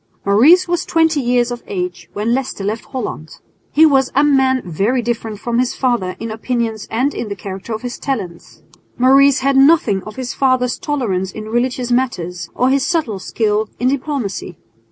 Maurice was twenty years of age when Leicester left Holland. He was a man very different from his father in opinions and in the character of his talents. Maurice had nothing of his father's tolerance in religious matters or his subtle skill in diplomacy.